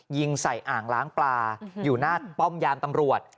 ยิงใส่อ่างล้างปลาอยู่หน้าป้อมยามตำรวจ